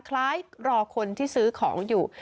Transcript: รอคนที่ซื้อของอยู่